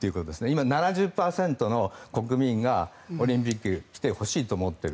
今、７０％の国民がオリンピック来てほしいと思っている。